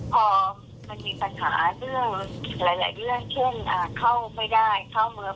ก็คืออาจจะปมติรังการหลบภัง